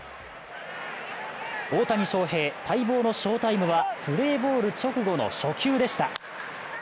大谷翔平、待望の翔タイムはプレーボール直後の初球でした。